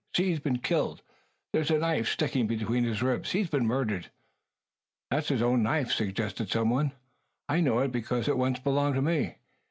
"See! He's been killed! There's a knife sticking between his ribs! He's been murdered!" "That's his own knife," suggested some one. "I know it; because it once belonged to me.